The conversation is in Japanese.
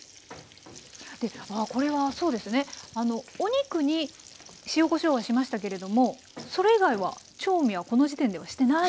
これはそうですねお肉に塩・こしょうはしましたけれどもそれ以外は調味はこの時点ではしてないんですね。